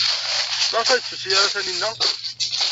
Maɣef ur d-tusi ara Taninna?